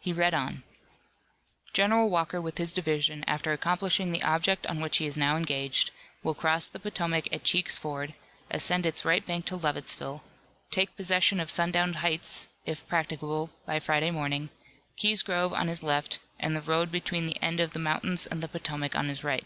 He read on: General Walker with his division, after accomplishing the object on which he is now engaged, will cross the Potomac at Cheek's Ford, ascend its right bank to Lovettsville, take possession of Sundown Heights, if practicable, by Friday morning, Key's Grove on his left, and the road between the end of the mountains and the Potomac on his right.